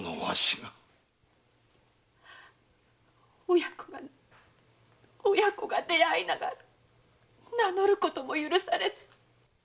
親子が親子が出会いながら名乗ることも許されず。